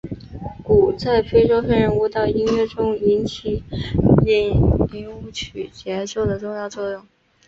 鼓在非洲黑人舞蹈音乐中起着引领舞曲节奏的重要作用。